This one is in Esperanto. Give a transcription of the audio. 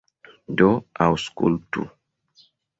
Do aŭskultu.